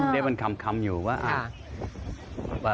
ได้เป็นคำอยู่ว่า